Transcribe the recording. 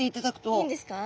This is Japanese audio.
いいんですか？